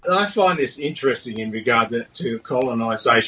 saya menarik ini mengenai trauma kolonisasi